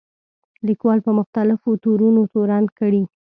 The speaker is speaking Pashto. لیکوال په مختلفو تورونو تورن کړي.